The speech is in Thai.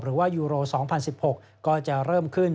หรือว่ายูโร๒๐๑๖ก็จะเริ่มขึ้น